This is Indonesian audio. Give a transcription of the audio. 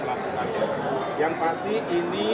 melakukannya yang pasti ini